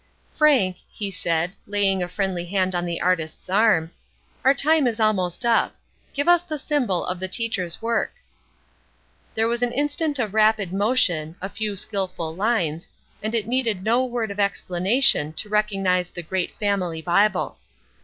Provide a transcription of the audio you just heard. "Frank," he said, laying a friendly hand on the artist's arm, "our time is almost up. Give us the symbol of the teacher's work." There was an instant of rapid motion, a few skillful lines, and it needed no word of explanation to recognize the great family Bible.